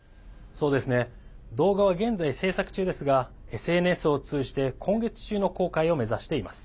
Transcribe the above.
動画は現在、制作中ですがＳＮＳを通じて今月中の公開を目指しています。